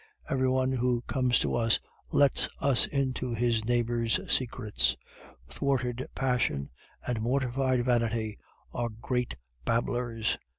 Every one who comes to us lets us into his neighbor's secrets. Thwarted passion and mortified vanity are great babblers.